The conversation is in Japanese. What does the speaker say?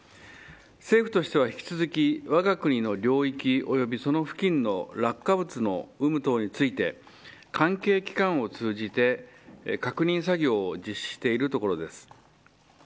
政府としては引き続きわが国の領域、及びその付近の落下物の有無等について関係機関を通じて確認作業を実施しているところです。